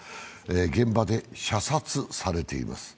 現場で射殺されています。